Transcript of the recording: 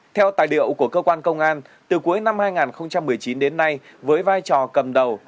theo tài liệu của cơ quan công an từ cuối năm hai nghìn một mươi chín đến nay với vai trò cầm đầu